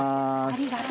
ありがとう。